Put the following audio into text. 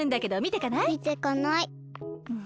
みてかない。